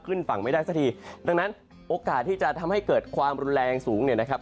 ขึ้นฝั่งไม่ได้สักทีดังนั้นโอกาสที่จะทำให้เกิดความรุนแรงสูงเนี่ยนะครับ